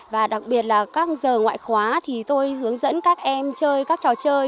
và đặc biệt là các giờ ngoại khóa thì tôi hướng dẫn các em chơi các trò chơi